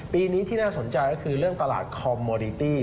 ปีนี้ที่น่าสนใจก็คือเรื่องตลาดคอมโมดิตี้